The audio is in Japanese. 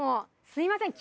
すいません。